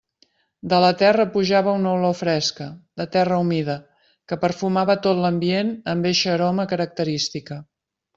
De la terra pujava una olor fresca, de terra humida, que perfumava tot l'ambient amb eixa aroma característica.